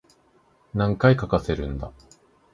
何回かかせるんだ